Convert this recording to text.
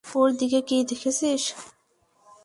ওর দিকে কী দেখছিস?